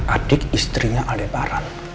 adik istrinya adebaran